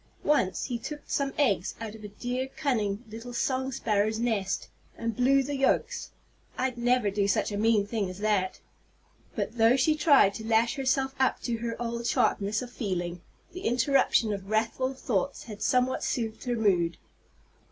Once he took some eggs out of a dear, cunning, little song sparrow's nest, and blew the yolks. I'd never do such a mean thing as that." But though she tried to lash herself up to her old sharpness of feeling, the interruption of wrathful thoughts had somewhat soothed her mood.